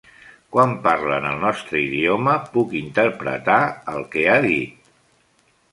Quan parla en el nostre idioma, puc interpretar el que ha dit.